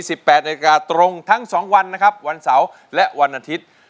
แปดนาฬิกาตรงทั้งสองวันนะครับวันเสาร์และวันอาทิตย์